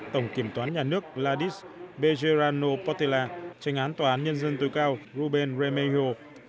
tổng kiểm toán nhà nước ladis bejerano potela trành án tòa án nhân dân tối cao ruben remejo